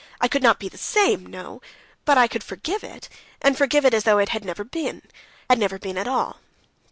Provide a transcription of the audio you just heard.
I could not be the same, no; but I could forgive it, and forgive it as though it had never been, never been at all...."